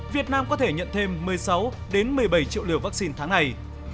việt nam có thể nhận thêm một mươi sáu đến một mươi bảy triệu liều vaccine tháng này